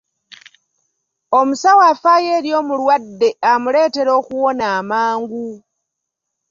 Omusawo afaayo eri omulwadde amuleetera okuwona amangu.